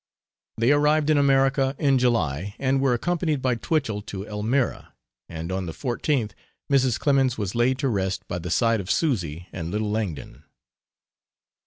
They arrived in America in July, and were accompanied by Twichell to Elmira, and on the 14th Mrs. Clemens was laid to rest by the side of Susy and little Langdon.